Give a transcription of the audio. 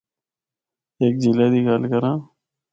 ہک جِھیلا دی گل کراں۔